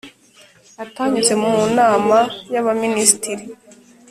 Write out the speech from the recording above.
atanyuze mu nama y Abaminisitiri